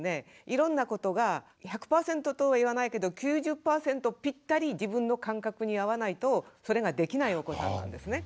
いろんなことが１００％とは言わないけど９０％ぴったり自分の感覚に合わないとそれができないお子さんなんですね。